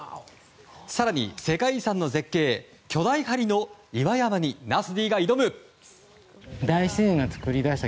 更に、世界遺産の絶景巨大針の岩山にナスＤが挑む！